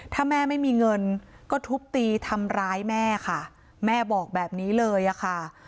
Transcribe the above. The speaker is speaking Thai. ถ้าแม่ไม่มีเงินก็ทุบตีทำร้ายแม่ค่ะแม่บอกแบบนี้เลยอะค่ะ